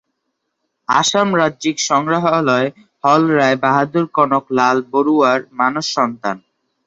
আসাম রাজ্যিক সংগ্রহালয় হল রায় বাহাদুর কনক লাল বরুয়ার মানস সন্তান।